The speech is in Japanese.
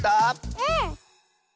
うん！